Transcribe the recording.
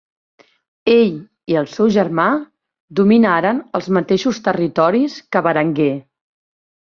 Ell i el seu germà dominaren els mateixos territoris que Berenguer.